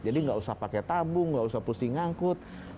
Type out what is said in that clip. jadi nggak usah pakai tabung nggak usah pusing ngangkut